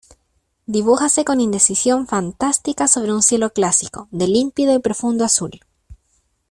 dibújase con indecisión fantástica sobre un cielo clásico, de límpido y profundo azul.